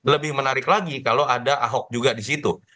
lebih menarik lagi kalau ada ahok juga di situ